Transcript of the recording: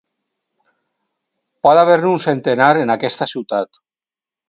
Pot haver-ne un centenar en aquesta ciutat...